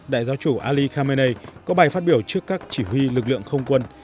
đại giáo chủ ali khamenei có bài phát biểu trước các chỉ huy lực lượng không quân